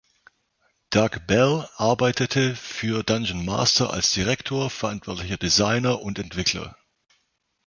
Doug Bell arbeitete für Dungeon Master als Direktor, verantwortlicher Designer und Entwickler.